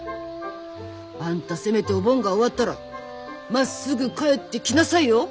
あんたせめてお盆が終わったらまっすぐ帰ってきなさいよ！